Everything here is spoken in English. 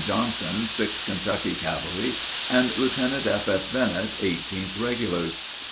Johnson, 6th Kentucky Cavalry; and Lieutenant F.F. Bennett, 18th Regulars.